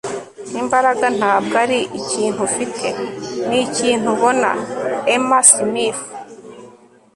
imbaraga ntabwo ari ikintu ufite, ni ikintu ubona. - emma smith